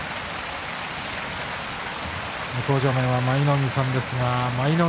向正面は舞の海さんです。